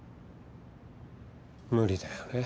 無理だよね。